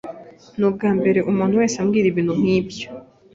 Ni ubwambere umuntu wese ambwira ibintu nkibyo.